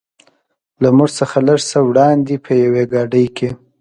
له موږ څخه لږ څه وړاندې په یوې ګاډۍ کې.